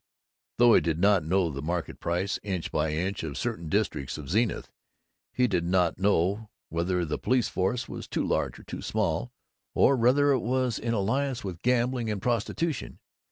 Though he did know the market price, inch by inch, of certain districts of Zenith, he did not know whether the police force was too large or too small, or whether it was in alliance with gambling and prostitution.